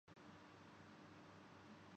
وہ سب جانتے ہیں۔